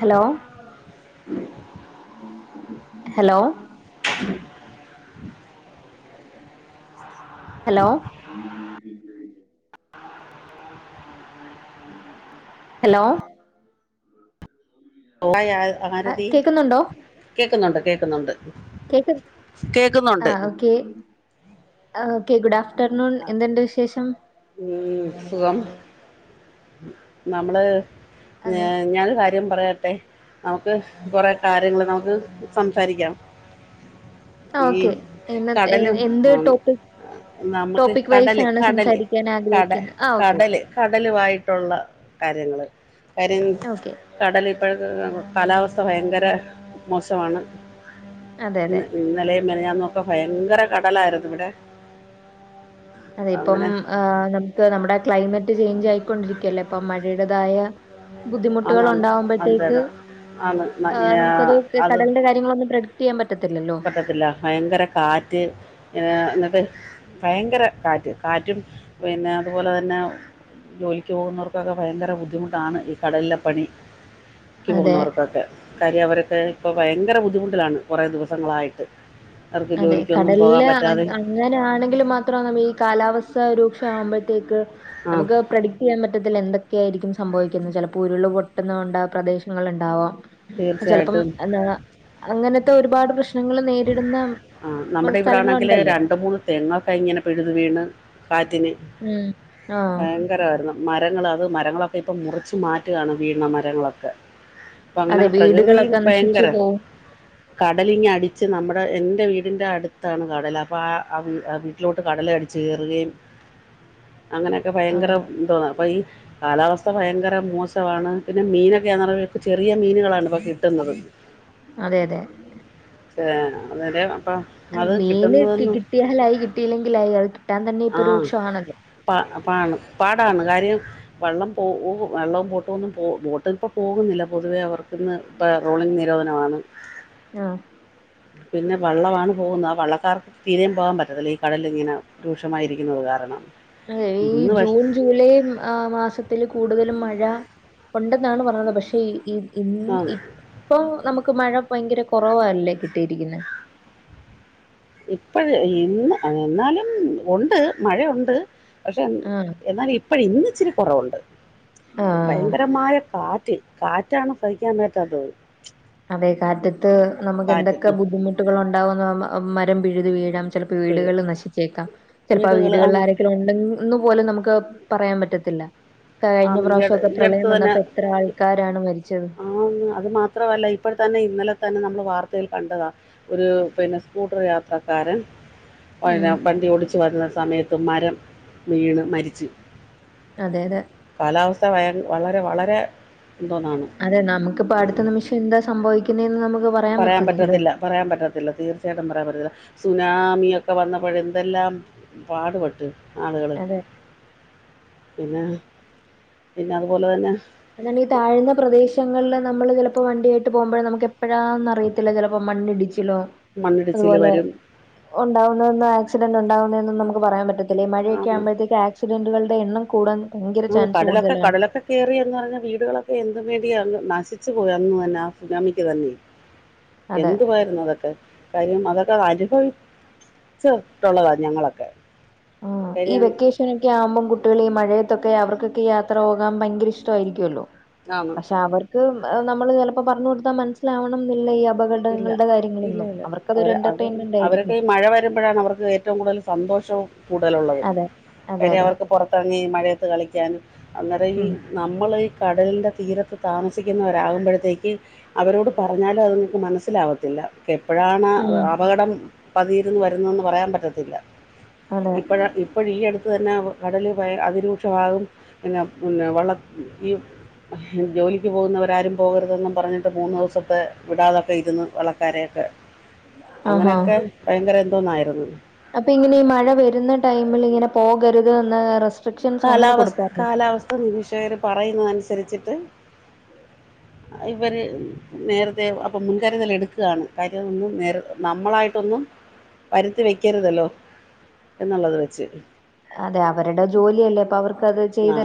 Hello hello hello hello hi ആ ആരതി കേക്കുന്നുണ്ടോ കേക്കുന്നുണ്ട് കേക്കുന്നുണ്ട് കേക്ക കേക്കുന്നുണ്ട് ആഹ് ഓക്കെ ഓക്കെ ഗുഡ് ആഫ്റ്റർനൂൺ എത്ന്ണ്ട് വിശേഷം ഉം സുഖം നമ്മള് ഞാൻ ഞാനരു കാര്യ ര്യം പറയട്ടെ നമുക്ക് കൊറെ കാര്യങ്ങൾ നമുക്ക് സംസാരിക്കാം ആ ഈ ഓക്കെ ഇന്നത്തെ കടല് എന്ത് ടോപ്പിക് നമ്മക്ക് ടോപ്പിക് വൈസ് കടല് ആണ് കടല് സംസാരിക്കാൻ കട ആഗ്രഹിക്കുന്നത് ആ ഓക്കെ ഓക്കെ കടല് കടലുമായിട്ടുള്ള കാര്യങ്ങള് കാര്യം ഓക്കെ കടല് ഇപ്പോഴത്തെ കാലാവസ്ഥ ഭയങ്കര മോശമാണ് അതെ ഉം അതെ ഉം ഇന്നലെയും മിനിഞാനും ഒക്കെ ഭയങ്കര കടലായിരുന്നു ഇവടെ അതെ ഇപ്പം ആഹ് നമുക്ക് നമ്മുടെ ക്ലൈമറ്റ് ചെയ്ഞ്ച് ആയിക്കൊണ്ടിരിക്കല്ലേ ഇപ്പം മഴയടതായ ബുദ്ധിമുട്ടുകൾ ആന്നാന്ന് അതിൻ്റെ ഉണ്ടകുമ്പോഴത്തേക്ക് ഇത് ആന്ന് ന- ഏ, നമുക്കത് അത് കടലി കാര്യ ങ്ങളന്നും പ്രഡിറ്റയ്യാൻ പറ്റത്തില്ലല്ലൊ പറ്റില്ല. ഭയങ്കര കാറ്റ് ആഹ് ന്നട്ട് ഭയങ്കര കാറ്റ് കാറ്റും പിന്നെ അതുപോലെ തന്നെ ജോലിക്ക് പോകുന്നവർക്കൊക്കെ ഭയങ്കര ബുദ്ധിമുട്ടാണ് ഈ കടലിലെ പണി ക്കി അതെ പോകുന്നവർക്കൊക്കെ കാര്യ അവരൊക്കെ ഇപ്പോൾ ഭയങ്കര ബുദ്ധിമുട്ടിലാണ് കൊറേ ദിവസങ്ങളായിട്ട് അവർക്ക് ജോലിക്കൊന്നും പോകാൻ പറ്റാതെ അങ്ങനെണെങ്കിൽ മാത്രം നമ്മ ഈ കാലാവസ്ഥ രൂക്ഷമാവുമ്പോഴത്തേക്ക് ആ നമുക്ക് ചെയ്യാൻ പറ്റത്തില്ല എന്തൊക്കെയ ആയിരിക്കും സംഭവിക്കുന്നത് ചെലപ്പോൾ ഉരുൾ പൊട്ടുന്ന കൊണ്ട പ്രദേശങ്ങൾ ഉണ്ടാവാം ചെലപ്പം തീർച്ചയായിട്ടും എന്താ അങ്ങനത്തെ ഒരുപാട് പ്രശ്നങ്ങൾ നേരിടുന്ന ആഹ് ഉം, നമ്മുടെ ഇവിടൊണെങ്കില് സ്ഥലങ്ങളുണ്ടല്ലോ രണ്ട് മൂന്ന് തെങ്ങൊക്കെ ഇങ്ങനെ പഴുതു വീണ് കാറ്റിന് ഉം ആഹ് ഭയങ്കരമായിരുന്നു മരങ്ങൾ അത് മരങ്ങളൊക്കെ ഇപ്പോ മുറിച്ചു മാറ്റുകയാണ് ഭീമമരങ്ങളൊക്കെ അപ്പോ അങ്ങനെ അതെ വീടുകളൊക്കെ നശിച്ചു പ്രകൃതിഭയങ്കര പോവും കടലിങ്ങടി ച്ച് നമ്മുടെ എൻ്റെ വീടിൻ്റെ അടുത്താണ് കടല് അപ്പോ ആ വീട്ടിലോട്ട് കടല്അടിച്ച് കയറുകയും അങ്ങനെയൊക്കെ ഭയങ്കര ആഹ് കാലാവസ്ഥ ഭയങ്കര മോശവാണ് പിന്നെ മീനൊക്കെയാ ചെറിയ മീനുകളാണ് ഇപ്പോൾ കിട്ടുന്നത് അതെ അതെ ഏ അന്നേരം അപ്പോ മീന് കിട്ടിയാലായി കിട്ടിയില്ലെങ്കിലായി അത് കിട്ടാൻ തന്നെ ഇപ്പോ രൂക്ഷവാണല്ലോ പ പാണ് പാടാണ് കാര്യം വെള്ളം പോ വെള്ളവും ബോട്ടും ഒന്നും പോ ബോട്ടിൽ ഇപ്പോ പോകുന്നില്ല പൊതുവേ അവർക്ക്ന്ന് പ റോളിംഗ് നിരോധനമാണ് ആഹ് പിന്നെ വള്ളമാണ് പോകുന്നത് ആ വള്ളക്കാർക്ക് തീരയും പോകാൻ പറ്റത്തില്ല ഈ കടലിങ്ങനെ രൂക്ഷമായിരിക്കുന്നുന്നത് കാരണം അതെ ഈ ഇന്ന് ജൂൺ ജൂലൈ ആ മാസത്തിൽ കൂടുതലും മഴ ഉണ്ടെന്നാണ് പറഞ്ഞത് പക്ഷെ ഇ ഈ ഇന്ന് പക്ഷേ ഇപ്പൊ നമ്മുക്ക് മഴ ഭയങ്കര കുറവല്ലേ കിട്ടിയിരിക്കുന്നെ ഇപ്പഴ് ഇന്ന് എന്നാലും ഉണ്ട് മഴയുണ്ട് പക്ഷെ ആഹ്. എന്നാൽ ഇപ്പഴ് ഇന്ന് ഇച്ചിരി കുറവുണ്ട് ആഹ്. ഭയങ്കരമായ കാറ്റ് കാറ്റാണ് സഹിക്കാൻ പറ്റാത്തത് അതെ കാറ്റത്ത് നമ്മുക്ക് കാറ്റ് എന്തൊക്കെ ബുദ്ധിമുട്ടുകൾ ഉണ്ടാവുമെന്ന് മരം പിഴുതി വീഴാം ചിലപ്പോ ഇപ്പോഴും വീടുകളിൽ നശിച്ചേക്കാം ചിലപ്പോ ആ വീടുകൾ വീടുകളിൽ ആണ് ആരെങ്കിലും ഉണ്ടെങ്കിൽ ഒന്ന് പോലും നമ്മുക്ക് പറയാൻ പറ്റത്തില്ല കഴിഞ്ഞ ആണ് പ്രാവശ്യം ഒക്കെ ഈ അടുത്ത് പ്രളയം വന്നപ്പോ എത്ര ആൾക്കാരാണ് മരിച്ചത് ആ അതു മാത്രമല്ല ഇപ്പോഴ തന്നെ ഇന്നലെ തന്നെ നമ്മൾ വാർത്തയിൽ കണ്ടതാണ് ഒരു പിന്നെ സ്കൂട്ടർ യാത്രക്കാരൻ ഉം. വ വണ്ടി ഓടിച്ചു വരുന്ന സമയത്ത് മരം വീണ് മരിച്ച് അതെ അതെ കാലാവസ്ഥ വ വളരെ വളരെ എന്തോന്നാണ് അതെ നമ്മുക്കിപ്പ അടുത്ത നിമിഷം എന്താ സംഭവിക്കുന്നേന്ന് നമ്മുക്ക് പറയാ പറയാൻ പറ്റത്തില്ല പറയാൻ പറ്റത്തില്ല തീർച്ചയായിട്ടും പറയാൻ പറ്റത്തില്ല സുനാമിയൊക്കെ വന്നപ്പോഴ എന്തെല്ലാം പാടുപെട്ട് ആളുകൾ അതെ. പിന്നെ പിന്നെ അതുപോലെ തന്നെ അതാണ് ഈ താഴ്ന്ന പ്രദേശങ്ങളിൽ നമ്മൾ ചിലപ്പോൾ വണ്ടിയായിട്ട് പോകുമ്പോൾ നമ്മുക്ക് എപ്പോഴാന്ന് അറിയ ചിലപ്പോ മണ്ണിടിച്ചിലോ മണ്ണിടിച്ചിൽ അതുപോലെ വരും ഉണ്ടാവുന്നതന്ന് ആക്സിഡൻ്റ് ഉണ്ടാവുന്നു നമ്മുക്ക് പറയാൻ പറ്റത്തി ചില മഴയൊക്കെ ആന്ന്. ആകുമ്പോഴേക്കും ആക്സിഡന്റുകളുടെ എണ്ണം കൂടാൻ ഭയങ്കര ആ ചാൻസ് കടലൊക്കെ കൂടുതലാണ്. കടലൊക്കെ കേറി എന്ന് പറഞ്ഞ വീടുകളൊക്കെ എന്തും വേണ്ടിയ നാശി അ സുനാമി തന്ന അതെ. എന്ത് തൊക്കെ കാര്യം അതൊക്കെ അനുഭവിച്ചിട്ടുള്ളതാ ഞങ്ങളൊക്കെ ആഹ ഈ വെക്കേഷൻ കാര്യം വെക്കേഷനൊക്കെ ആകുമ്പോം കുട്ടികൾ ഈ മഴയത്തൊക്കെ അവർക്കൊക്കെ യാത്ര പോകാൻ ഭയങ്കര ഇഷ്ടമായിരിക്കുമല്ലോ ആണ് പക്ഷെ അവർക്ക് നമ്മൾ ചിലപ്പോ പറഞ്ഞു കൊടുത്താ മനസ്സിലാവണം എന്നില്ല ഈ അപകടം ഇല്ല ഇല്ല ഇല്ല അവരെ അത് എന്റർടൈൻമെന്റ് അവരൊക്കെ ആയിരിക്കും. ഈ മഴ വരുമ്പോഴാണ് അവർക്ക് ഏറ്റവും കൂടുതൽ സന്തോഷവും കൂടുലുള്ളത് അതെ. അതെ അവരെ അതെ. അവർക്ക് പുറത്തിറങ്ങി മഴയത്ത് കളിക്കാനും അന്നേരം ഈ ഉം നമ്മൾ ഈ കടലിൻ്റെ തീരത്ത താമസിക്കുന്നവരാകുമ്പോഴത്തേക്ക് അവരോട് പറഞ്ഞാലും അതും അവർക്ക് മനസ്സിലാവത്തില്ല എപ്പോഴാണ് ഉം അപകടം പതിയിരുന്ന് വരുന്നെന്ന് പറയാൻ പറ്റത്തില്ല അതെ. ഇപ്പോഴ ഇപ്പോഴ ഈ അടുത്ത് തന്നെ കടല് അതിരൂക്ഷമാകും പിന്നെ പിന്നെ വള്ള ഈ ജോലിക്ക് പോകുന്നവരാരും പോകരുതൊന്നും പറഞ്ഞിട്ട് മൂന്ന് ദിവസത്തെ വിടാതൊക്കെ ഇരുന്നു വള്ളക്കാരെയൊക്കെ ആഹാ അങ്ങനെയൊക്കെ ഭയങ്കര എന്തോന്നായിരുന്നു അപ്പൊ ഇങ്ങനെ ഈ മഴ വരുന്ന ടൈമിൽ ഇങ്ങനെ പോകരുത് എന്ന് റസ്റ്റ് കാലാവസ്ഥ കാലാവസ്ഥ നിരീക്ഷകര് പറയുന്നതനുസരിച്ചിട്ട് ഇവര് നേരത്തെ അപ്പം മുൻകരുതൽ എടുക്കുകയാണ് കാര്യൊന്നും നേ നമ്മളായിട്ടൊന്നും വരുത്തി വെക്കരുതല്ലോ എന്നുള്ളത് വെച്ച് അതെ അവരുടെ ജോലിയല്ലേ അപ്പൊ അവർക്ക് ആഹ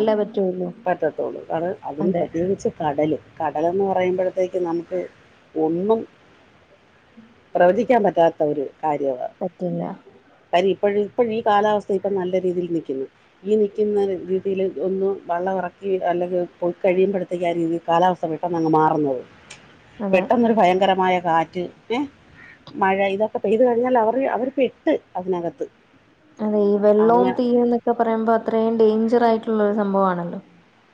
പറ്റത്തോള്ളൂ കാരണം അതും അതെ പ്രത്യേകിച്ച് കടല് കടലെന്ന് പറയുമ്പോഴത്തേക്ക് നമ്മുക്ക് ഒന്നും പ്രവചിക്കാൻ പറ്റാത്ത ഒരു കാര്യമാ പറ്റില്ല കാര്യം ഇപ്പോഴും ഇപ്പോഴീ കാലാവസ്ഥ ഇപ്പൊ നല്ല രീതിയിൽ നിൽക്കുന്നു. ഈ നിൽക്കുന്ന രീതിയില് ഒന്ന് വള്ളം ഇറക്കി അല്ലെങ്കി പോയി കഴിയുമ്പഴ് ത്തക്ക രീതിയിൽ കാലാവസ്ഥ പെട്ടൊന്ന് അങ്ങ് മാറുന്നത് അതെ പെട്ടന്നൊരു ഭയങ്കരമായ കാ റ്റ് ഏ മഴ ഇതൊക്കെ പെയ്തു കഴിഞ്ഞാൽ അവര് അവർ പെട്ട് അതിനകത്ത്. അതെ ഈ വെള്ളവും അങ്ങനെ തീ എന്നൊക്കെ പറയുമ്പോ അത്രയും ഡേഞ്ചർ ആയിട്ടുള്ളൊരു സംഭവാണല്ലോ.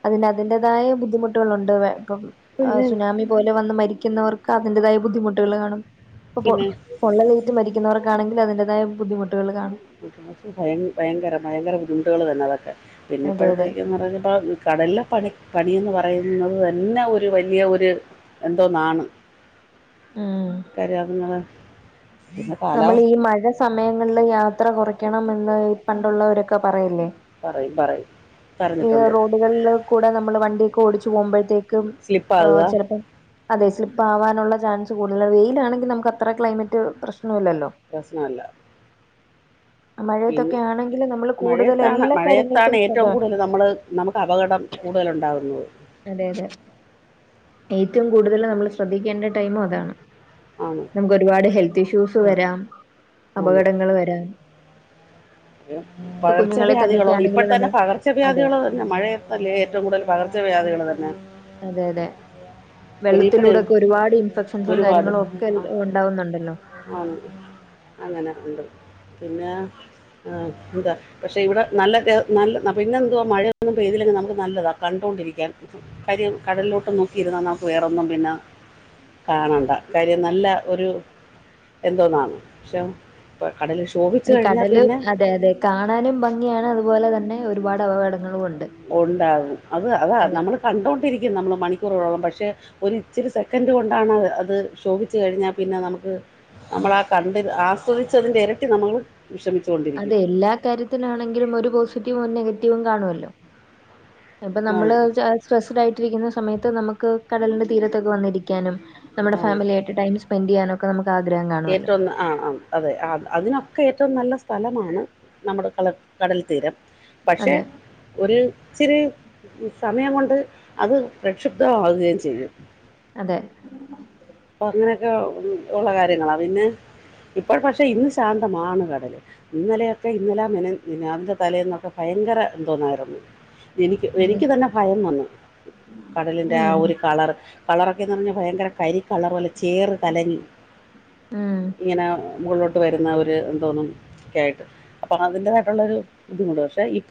അതിന് അതിന്റേതായ ബുദ്ധിമുട്ടുകളുണ്ട് ഇപ്പം ആഹ് പിന്നെ സുനാമി പോലെ വന്ന് മരിക്കുന്നവർക്ക് അതിന്റതായ ബുദ്ധിമുട്ടുകൾ കാണും അപ്പൊ പിന്നെ പ്പൊ പൊള്ളാലേറ്റ് മരിക്കുന്നവർക്കാണെങ്കില് അതിന്റതായ ബുദ്ധിമുട്ടുകൾ കാണും. ഭയ ഭയങ്കര ഭയങ്കര ബുദ്ധിമുട്ടുകൾ തന്നെതൊക്കെ പിന്നെ അതെ അതെ ഇപ്പോഴത്തേക്കെന്ന് റഞ്ഞ കടലിലെ പണി പണിയെന്ന് പറയുന്നത് തന്നെ ഒരു വലിയ ഒരു എന്തോന്നാണ് ഉം കാര്യം അതുങ്ങള് നമ്മളീ ഈ മഴ സമയങ്ങളില് യാത്ര കുറയ്ക്കണം എന്ന് പണ്ടുള്ളവരൊക്കെ പറയില്ലേ. പറയും പറയും. ഈ പറഞ്ഞിട്ടുണ്ട് റോഡുകളില് കൂടെ നമ്മള് വണ്ടിയൊക്കെ ഓടിച്ചു പോകുമ്പോഴത്തേക്കും ആ സ്ലിപ്പാകുക ചേലപ്പോ അതെ സ്ലിപ്പ് ആവാനുള്ള ചാൻസ് കൂടുതലാ വെയിലാണെങ്കില് നമുക്ക് അത്ര ക്ലൈമറ്റ് പ്രശ്നം ഇല്ലല്ലോ. പ്രശ്നല്ല. പിന്നെ മഴയത്തൊക്കെ ആണെങ്കിൽ നമ്മൾ കൂടുതൽ മഴയത്താണ് എല്ലാ കാര്യങ്ങൾക്കും മഴയത്താണ് ശ്രദ്ധ ഏറ്റവും വേണം കൂടുതല് നമ്മള് നമുക്ക് അപകടം കൂടുതല് ഉണ്ടാവുന്നത്. അതെ അതെ ഏറ്റവും കൂടുതല് നമ്മള് ശ്രദ്ധിക്കേണ്ട ടൈമും അതാണ്. ആണ് നമുക്കൊരുപാട് ഹെൽത്ത് ഇഷ്യൂസ് വരാം ആണ് അപകടങ്ങൾ വരാം. ഇപ്പൊ കുഞ്ഞുങ്ങളെ തന്നെയൊക്കെ പകർച്ചവ്യാധികളോ ആണെങ്കിൽ ഇപ്പതന്നെ നമ്മൾ അതെ പകർച്ചവ്യാധികള് പിന്നെ മഴയത്തല്ലേ ഏറ്റവും കൂടുതൽ പകർച്ചവ്യാധികള് വര്ണെ. അതെ അതെ. ഇനിയിപ്പോഴും വെള്ളത്തിലൂടൊക്കെ ഒരുപാട് ഇൻഫെക്ഷൻസും കാര്യങ്ങളും ഒക്കെ ഉണ്ടാവുന്നുണ്ടല്ലോ. ആഹ് അങ്ങനെ ഉണ്ട് പിന്നെ എന്താ പക്ഷെ ഇവിടെ നല്ല നല്ല പിന്നെ എന്തുവാ മഴയൊന്നും പെയ്തില്ലെങ്കി നമുക്ക് നല്ലതാ കണ്ടോണ്ടിരിക്കാൻ. കാര്യം കടലിലോട്ട് നോക്കിയിരുന്ന ന വേറൊന്നും പിന്നെ കാണണ്ട കാര്യം നല്ല ഒരു എന്തോന്നാണ് പക്ഷെ കടല് ഇഷ് അത് കടല് അതെ അതെ കാണാനും ഭംഗിയാണ് അതുപോലെ തന്നെ ഒരുപാട് അപകടങ്ങളും ഉണ്ട്. ഉണ്ടാവും, അത് അതാ അതെ നമ്മള് കണ്ടോണ്ടിരിക്കും നമ്മള് മണിക്കൂറോളം പക്ഷെ ഒര് ഇച്ചിരി സെക്കൻഡ് കൊണ്ടാണ് അത് ശോഭിച്ചു കഴിഞ്ഞാൽ പിന്നെ നമുക്ക് നമ്മളാ ആ കണ്ട് ആസ്വദിച്ചതിന്റെ ഇരട്ടി നമ്മള് വിഷമിച്ചുകൊണ്ട് അതെ എല്ലാ കാര്യത്തിനാണെങ്കിലും ഒരു പോസിറ്റീവും നെഗറ്റീവും കാണുല്ലോ. അത്പ്പൊ ആ നമ്മള് സ്ട്രെസ്ഡ് ആയിട്ടിരിക്കുന്ന സമയത്ത് നമ്മുക്ക് കടലിന്റെ തീരത്തൊക്കെ വന്നിരിക്കാനും ആ നമ്മുടെ ഫാമിലി ആയിട്ട് ടൈം സ്പെൻഡ്‌ യ്യാനൊക്കെ നമ്മുക്ക്‌ ആഗ്രഹം കാണുല്ലോ. ഏറ്റവും ആ ആ. അതെ അ അതിനൊക്കെ ഏറ്റവും നല്ല സ്ഥലമാണ് നമ്മുടെ ക കടൽത്തീരം. പക്ഷെ അതെ ഒരു ഇച്ചിരി സമയം കൊണ്ട് അത് പ്രക്ഷുബ്ധമാവുകയും ചെയ്യും. അതെ. അപ്പോ അങ്ങനെയൊക്കെ ഒള്ള കാര്യങ്ങളാണ്, പിന്നെ ഇപ്പോ പക്ഷേ ഇന്ന് ശാന്തമാണ് കടല്. ഇന്നലെയൊക്കെ ഇന്നലെ മിനി മിനിയാന്നിന്റെ തലേന്നൊക്കെ ഭയങ്കര എന്തോന്നായിരുന്നു. എനിക്ക് അതെ എനിക്ക് തന്നെ ഭയം വന്നു, കടലിൻ്റെ ആ ഉം ഒരു കളർ കളറൊക്കെന്ന് പറഞ്ഞാ ഭയങ്കര കരി കളറ് പോലെ ചേറ് കലങ്ങി ഉം ഇങ്ങനെ മുകളിലോട്ട് വരുന്ന ഒര് എന്തോന്ന് ഒക്കെ ആയിട്ട് അപ്പോൾ അതിന്റെതായിട്ടുള്ളൊരു ബുദ്ധി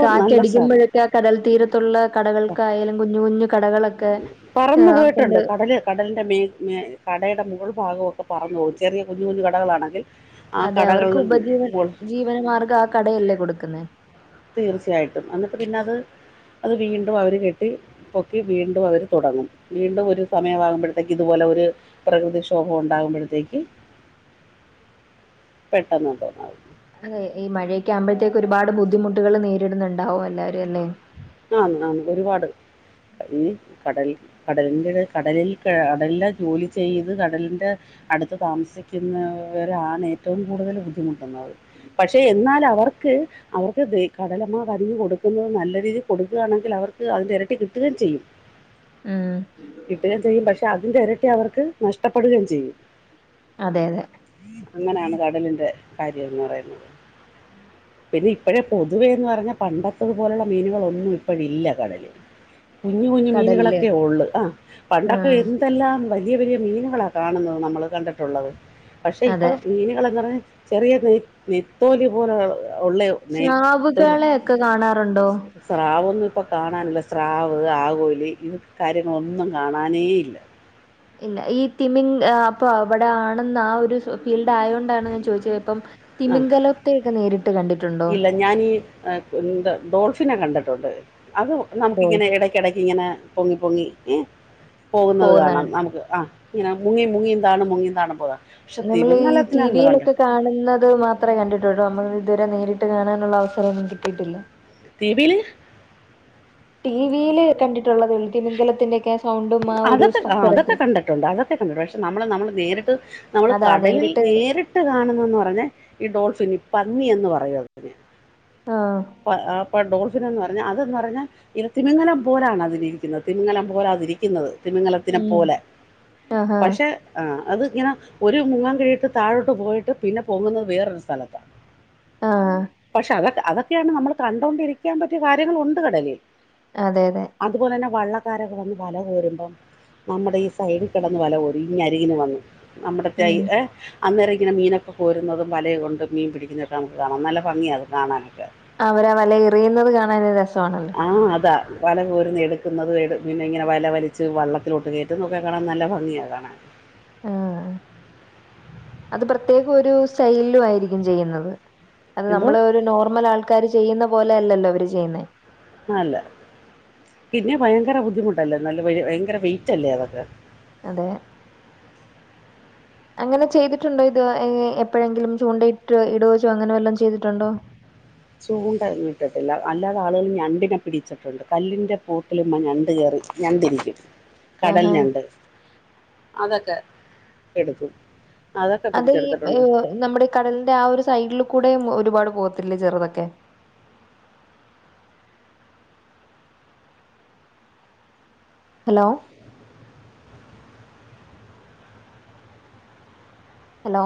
കാറ്റടിക്കുമ്പോഴൊക്കെ ആ കടൽ തീരത്തുള്ള കടകൾക്കായാലും കുഞ്ഞു കുഞ്ഞു കടകളൊക്കെ പറന്നു ആ, പോയിട്ടുണ്ട്. കടലിന്റെ മി മേ കടയുടെ മുകൾ ഭാഗമൊക്കെ പറഞ്ഞു പോവും ചെറിയ കുഞ്ഞു കുഞ്ഞു കടകളാണെങ്കിൽ ആ അതെ അവർക്ക് കടകളിൽ ഉപജീവ മുകൾ ജീവനമാർഗം ആ കടയല്ലേ കൊടുക്കുനെ? തീർച്ചയായിട്ടും എന്നിട്ട് പിന്നെ അത് അത് വീണ്ടും അവർ കെട്ടി പൊക്കി വീണ്ടും അവർ തുടങ്ങും വീണ്ടും ഒരു സമയമാകുമ്പോഴത്തേക്ക് ഇ അതുപോലെ ഒരു പ്രകൃതിക്ഷോഭം ഉണ്ടാകുമ്പോഴത്തേക്ക്. പെട്ടെന്ന് തോന്നൽ അതെ ഈ മഴയൊക്കെ ആകുമ്പോഴത്തേക്ക് ഒരുപാട് ബുദ്ധിമുട്ടുകൾ നേരിടുന്നുണ്ടാവും എല്ലാവരും അല്ലേ? ആ ആ ഒരുപാട് ഈ കടൽ കടലിൻന്റെ കടലിൽ കടലിന്റെ ജോലി ചെയ്ത് കടലിൻറെ അടുത് താമസിക്കുന്നവരാണ് ഏറ്റവും കൂടുതൽ ബുദ്ധിമുട്ടുന്നത്. പക്ഷേ എന്നാൽ അവർക്ക് അവർക്ക് കടലമ്മ അരിഞ് കൊടുക്കുന്നത് നല്ല രീതിയിൽ. കൊടുക്കുകയാണെങ്കിൽ അവർക്ക് അതിന്റെ ഇരട്ടി കിട്ടുകയും ചെയ്യും. ഉം കിട്ടുകയും ചെയ്യും പക്ഷെ അതിന്റെ ഇരട്ടി അവർക്ക് നഷ്ടപ്പെടുകയും ചെയ്യും. അതെ അതെ. അങ്ങനെയാണ് കടലിന്റെ കാര്യംന്ന് പറയുന്നത്. പിന്നെ ഇപ്പോഴേ പൊതുവേ എന്ന് പറഞ്ഞാൽ പണ്ടത്തത് പോലെയുള്ള മീനുകലൊന്നും ഒന്നും ഇപ്പോഴില്ല കടയിൽ കുഞ്ഞു കുഞ്ഞ കടലില് മീനുകളൊക്കെ ഉള്ള ആ പണ്ടൊക്കെ ആഹ് ഇതെല്ലാം വലിയ വലിയ മീനുകളാണ് കാണുന്നത് നമ്മൾ കണ്ടിട്ടുള്ളത്. പക്ഷേ ഇപ്പൾ അതെ മീനുകളൾെന്ന് പറഞ്ഞാൽ ചെറിയത് നത്തോലി പോലെ ഉള്ള നെത്തോലി സ്രാവുകളെ ഒക്കെ കാണാറുണ്ടോ? സ്രാവൊന്നും ഇപ്പോം കാണാനില്ല സ്രാവ് ആകോലി ഇത് കാര്യങ്ങളൊന്നും കാണാനേഇല്ല. ഇല്ല ഈ തിമിങ് അപ്പൊ അവിടെ ആണെന്ന് ആ ഒരു ഫീൽഡ് ആയോണ്ട്. ആണ് ഞാൻ ചോദിച്ച ഇപ്പം ആ തിമിങ്കലത്തെയോക്കെ നേരിട്ട് കണ്ടിട്ട്? ഇല്ല ഞാനീ എന്ത ഡോൾഫിനെ കണ്ടിട്ടുണ്ട് അത്. ഡോൾ നമുക്കിങ്ങനെ ഇടക്കിടക്ക് ഇങ്ങനെ പൊങ്ങി പൊങ്ങി ഏ പോകുന്നത് കാണാം പോകുന്നതാണ് നമുക്ക് ആ ന മുങ്ങി മുങ്ങീ തണു മുങ്ങിയ തന്തണും പോവാം. നമ്മൾ ഈ ടിവിയിലൊക്കെ കാണുന്നത് മാത്രമേ കണ്ടിട്ടുട്ടൂ നമ്മുക്ക് ഇതുവരെ നേരിട്ട് കാണാനുള്ള അവസരംഒന്നും കിട്ടിയിട്ടില്ല. [unintelligible] ടിവിയിൽ കണ്ടിട്ടുള്ളത് വി അതൊക്കെ അതൊക്കെ സ്ട്രക്ചറൊക്കെ കണ്ടിട്ടുണ്ട് അതൊക്കെ കണ്ടിട്ടുണ്ട് പക്ഷെ നമ്മൾ നമ്മൾ നേരിട്ട്. നമ്മൾ കടയിൽ നേരിട്ട് കാണുന്നെന്ന് പറഞ്ഞാൽ ഈ ഡോൾഫിൻ ഈ പന്നി എന്ന് പറയും ആഹ്. ഇ ഇപ്പൾ ഡോൾഫിൻ എന്ന് പറഞ്ഞാൽ അതെന്ന് പറഞ്ഞാൽ ത്തിമിങ്ങലം പോലാണ് അതിൽ. തിമിങ്ങലം പോലെ അതിരിക്കുന്നത് തിമങ്ങലത്തിനെ ഉം പോലെ ആഹാ പക്ഷെ ആ അത് ഇങ്ങനെ ഒരു മുങ്ങാൻ കിഴിയിട്ട് താഴോട്ട് പോയിട്ട് പിന്നെ പോങ്ങുന്നത് വേറൊരു സ്ഥലത്താ [unintelligible] ആഹ്. പക്ഷെ അതൊ അതൊക്കെയാണ് നമ്മൾ കണ്ടൊണ്ടിരിക്കാൻ പറ്റിയ കാര്യങ്ങൾ ഉണ്ട് കടലിൽ. അതെ അതെ. അതുപോല ഞ വള്ളക്കാരൊക്കെ വന്ന് വല കോരുമ്പം നമ്മുടെ ഈ സൈഡിൽ കിടന്ന് വല കോരും ഇ അരികന്ന് വന്നു. നമ്മടത്തെ ഉം ഏ അന്നേര ഇങ്ങനെ മീനൊക്കെ കോരുന്നതും വലയം കൊണ്ട് മീൻ പിടിക്കുന്നൊക്കെ നമുക്ക് കാണാം നല്ല ഭംഗിയാത് കാണാനൊക്കെ. അവരാ വല എറിയുന്നത് കാണൻ രസമാണല്ലോ? ആ അതാ വല കോരുന്ന് എടുക്കുന്നത് എ പിന്നെ ഇങ്ങനെ വല വലിച്ച് വള്ളത്തിലോട്ട് കയറ്റ [unintelligible] നൊകാൻ നല്ല ഭംഗിയാണ് കാണാൻ. ആഹ് അത് പ്രത്യേകം ഒരു സ്റ്റൈലിലും ആയിരിക്കും ചെയ്യുന്നത് അത് എന്തോ നമ്മൾ ഒരു നോർമൽ ആൾ. ക്കാര് ചെയ്യുന്ന പോലെല്ലല്ലോ അവര് ചെയ്യുന്നുന്നത്. ആ അല്ല പിന്നെ ഭയങ്കര ബുദ്ധിമുട്ടല്ലേ [unintelligible] നല്ല ഭയങ്കര വെയിറ്റ് അല്ലേ അതൊക്കെ. അതെ [inaudible] അങ്ങനെ ചെയ്തിട്ടുണ്ടോ ഇത് എപ്പോഴെങ്കിലും ചൂണ്ടയിട്ടോ ഇടവെച്ചോ അങ്ങനെ വല്ലാം ചെയ്തിട്ടുണ്ടോ ചൂണ്ടയൊന്നും ഇട്ടിട്ടില്ല അല്ലാതെ ആളുകൾ ഞണ്ടിനെ പിടിച്ചിട്ടുണ്ട് കല്ലിൻ്റെ പൂട്ടിലും ആ ഞണ്ട് കയറി ഞണ്ടിരിക്കും കടൽ ആഹാ ഞണ്ട് അതൊക്കെ എടുക്കും അതൊക്കെ അത് ഈ പിടിച്ചെടുത്തിട്ടുണ്ട് എഹ് നമ്മുടെ ഈ കടലിന്റെ ആ ഒരു സൈഡിൽ കൂടെയും ഒരുപാട് പോകത്തില്ലെ ചെറുതൊക്കെ ഹലോ ഹലോ